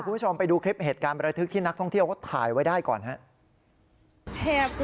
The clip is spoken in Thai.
คุณผู้ชมไปดูคลิปเหตุการณ์ประทึกที่นักท่องเที่ยวเขาถ่ายไว้ได้ก่อนครับ